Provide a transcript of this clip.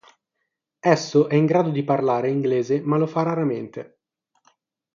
Esso è in grado di parlare inglese ma lo fa raramente.